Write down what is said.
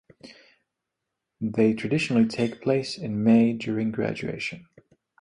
They traditionally take place in May during graduation.